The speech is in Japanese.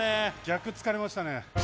逆つかれましたね